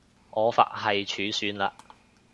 我佛系儲算了